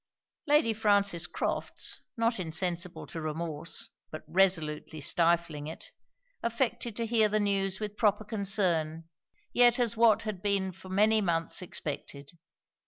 Lady Frances Crofts, not insensible to remorse, but resolutely stifling it, affected to hear the news with proper concern, yet as what had been for many months expected.